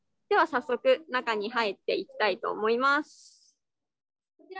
では早速中に入っていきたいと思います」。